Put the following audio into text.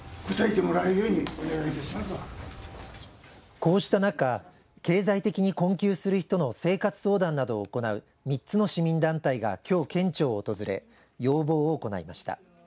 こうした中経済的に困窮する人の生活相談などを行う３つの市民団体がきょう県庁を訪れ要望を行いました。